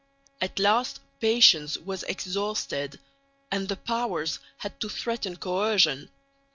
At last patience was exhausted, and the Powers had to threaten coercion.